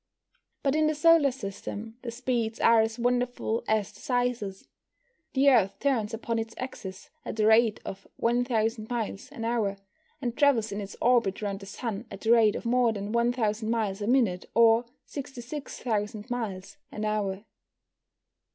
But in the solar system the speeds are as wonderful as the sizes. The Earth turns upon its axis at the rate of 1,000 miles an hour, and travels in its orbit round the Sun at the rate of more than 1,000 miles a minute, or 66,000 miles an hour.